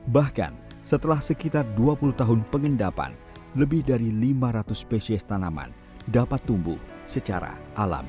bahkan setelah sekitar dua puluh tahun pengendapan lebih dari lima ratus spesies tanaman dapat tumbuh secara alami